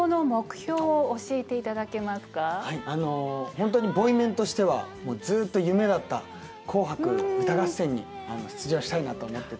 本当にボイメンとしてはずっと夢だった「紅白歌合戦」に出場したいなと思ってて。